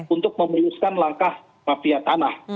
untuk memeriuskan langkah mafia tanah